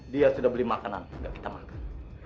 dia sudah beli makanan tidak kita makan